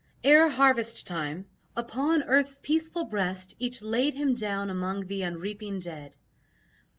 Ere harvest time, upon earth's peaceful breast Each laid him down among the unreaping dead.